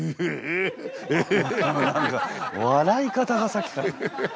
何か笑い方がさっきから。